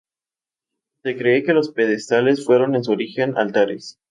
Se cree que los pedestales fueron en su origen altares.